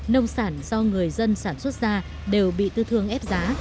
nông sản do người dân sản xuất ra đều bị tư thương ép giá